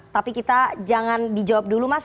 tapi kita jangan dijawab dulu mas